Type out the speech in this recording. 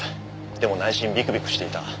でも内心ビクビクしていた。